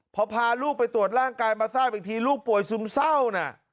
พอพาลูกไปตรวจร่างกายมาทราบอีกทีลูกป่วยซึมเศร้านะ